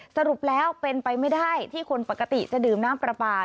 สรุปแล้วเป็นไปไม่ได้ที่คนปกติจะดื่มน้ำปลาปลา